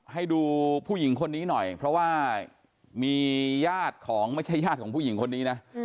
ให้ดูผู้หญิงคนนี้หน่อยเพราะว่ามีญาติของไม่ใช่ญาติของผู้หญิงคนนี้นะ